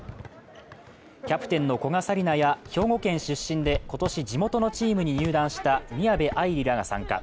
キャプテンの古賀紗理那や兵庫県出身で、今年地元のチームに入団した宮部藍梨らが参加。